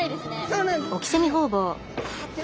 そうなんですはい。